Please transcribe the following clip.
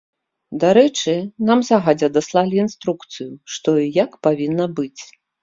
Дарэчы, нам загадзя даслалі інструкцыю, што і як павінна быць.